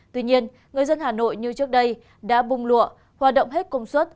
tuy nhiên người dân hà nội như trước đây đã bung lụa hoạt động hết công suất